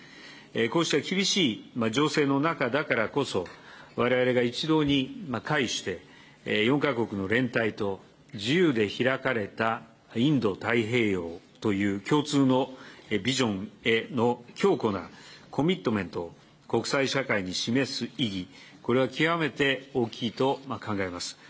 こうした厳しい情勢の中だからこそ、われわれが一堂に会して、４か国の連帯と自由で開かれたインド太平洋という共通のビジョンへの強固なコミットメントを国際社会に示す意義、これは極めて大きいと考えます。